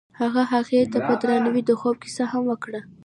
هغه هغې ته په درناوي د خوب کیسه هم وکړه.